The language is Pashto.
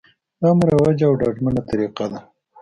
دا مروجه او ډاډمنه طریقه ده